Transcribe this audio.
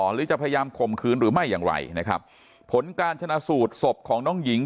หรือจะพยายามข่มขืนหรือไม่อย่างไรนะครับผลการชนะสูตรศพของน้องหญิง